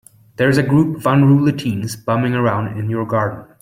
There's a group of unruly teens bumming around in your garden.